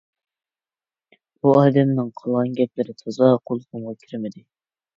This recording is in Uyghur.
بۇ ئادەمنىڭ قالغان گەپلىرى تازا قۇلىقىمغا كىرمىدى.